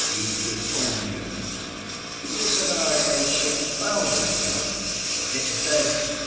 "We disown you." "But you said an I A ship found this joint." "It did.